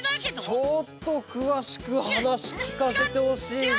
ちょっとくわしくはなしきかせてほしいな。